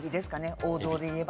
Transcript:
王道でいえば。